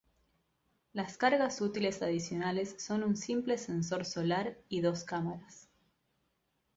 Las cargas útiles adicionales son un simple sensor solar y dos cámaras.